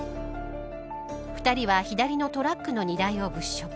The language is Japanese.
２人は左のトラックの荷台を物色。